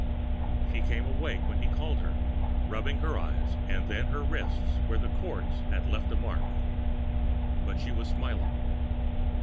She came awake when he called her, rubbing her eyes and then her wrists, where the cords had left a mark. But she was smiling.